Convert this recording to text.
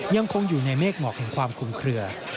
ยังคงอยู่ในเมฆเหมาะแห่งความคุมเคลือ